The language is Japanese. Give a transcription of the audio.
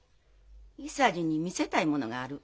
伊三治に見せたいものがある。